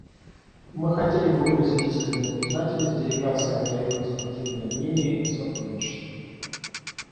Мы хотели бы выразить искреннюю признательность делегациям за их конструктивные мнения и сотрудничество.